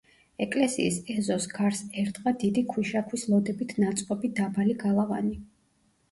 ეკლესიის ეზოს გარს ერტყა დიდი ქვიშაქვის ლოდებით ნაწყობი დაბალი გალავანი.